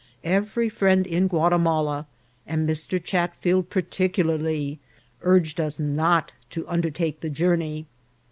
Every friend in Guatimala, and Mr. Chatfield particularly, urged us not to undertake the journey.